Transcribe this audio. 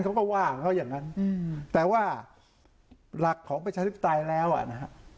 เขาก็ว่าเขาอย่างนั้นแต่ว่าหลักของประชาธิปไตยแล้วอ่ะนะฮะ